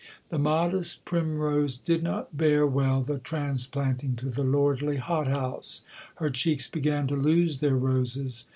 The modest primrose did not bear well the transplanting to the lordly hot house. Her cheeks began to lose their roses.